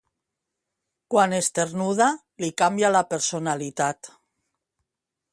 Quan esternuda, li canvia la personalitat.